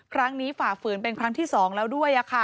ครั้งนี้ฝ่าฝืนเป็นครั้งที่สองแล้วด้วย